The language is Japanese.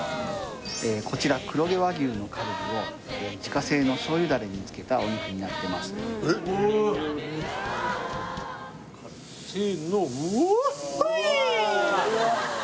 こちら黒毛和牛のカルビを自家製の醤油ダレに漬けたお肉になってますせーのウォッホイ！